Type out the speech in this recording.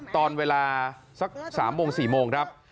ตอนเวลา๓๔โมงครับ